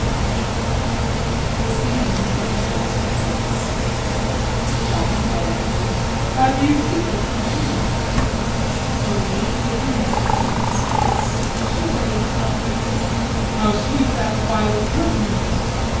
Is it done? [Kristin indicating Jean's presence.] JEAN [Gallantly]. Have you secrets between you? JULIE. [Flipping handkerchief in his face]. Curious, are you? JEAN. How sweet that violet perfume is!